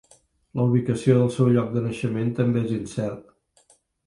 La ubicació del seu lloc de naixement també és incert.